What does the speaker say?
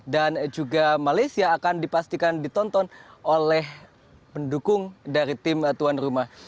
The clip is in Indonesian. dan juga malaysia akan dipastikan ditonton oleh pendukung dari tim tuan rumah